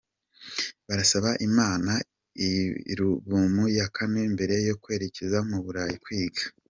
Barasaba Imana alubumu ya kane mbere yo kwerekeza mu Burayi kwiga